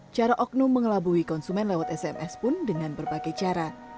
cara oknum mengelabui konsumen lewat sms pun dengan berbagai cara